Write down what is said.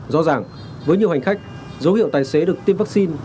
do rằng với nhiều hành khách dấu hiệu tài xế được tiêm vaccine